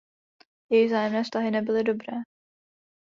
Jejich vzájemné vztahy nebyly dobré.